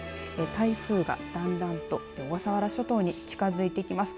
台風がだんだんと小笠原諸島に近づいてきます。